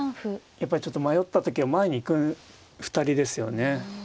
やっぱりちょっと迷った時は前に行く２人ですよね。